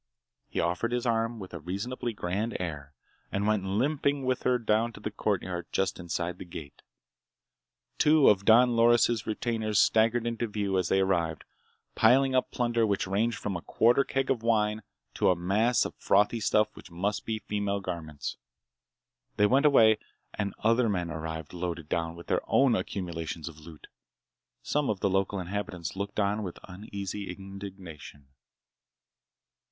He offered his arm with a reasonably grand air and went limping with her down to the courtyard just inside the gate. Two of Don Loris' retainers staggered into view as they arrived, piling up plunder which ranged from a quarter keg of wine to a mass of frothy stuff which must be female garments. They went away and other men arrived loaded down with their own accumulations of loot. Some of the local inhabitants looked on with uneasy indignation.